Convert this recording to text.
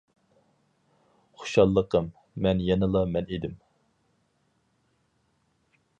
خۇشاللىقىم، مەن يەنىلا مەن ئىدىم.